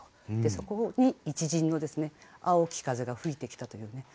そこに一陣の青き風が吹いてきたというね。